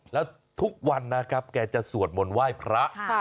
แล้วทุกวันนะครับแกจะสวดมนต์ไหว้พระ